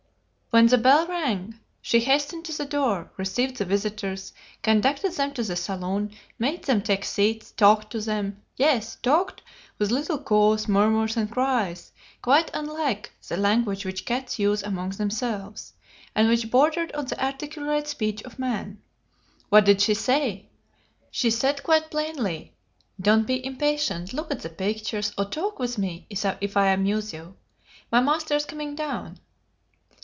When the bell rang, she hastened to the door, received the visitors, conducted them to the salon, made them take seats, talked to them yes, talked, with little coos, murmurs, and cries quite unlike the language which cats use among themselves, and which bordered on the articulate speech of man. What did she say? She said quite plainly: 'Don't be impatient: look at the pictures, or talk with me, if I amuse you. My master is coming down.'